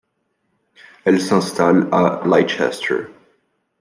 Elle s'installe à Leicester.